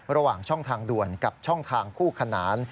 ระหว่างช่องทางด่วนกับช่องทางคู่ขนาน